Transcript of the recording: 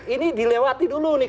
ini dilewati dulu nih